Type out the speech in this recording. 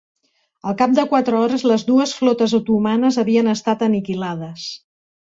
Al cap de quatre hores, les dues flotes otomanes havien estat aniquilades.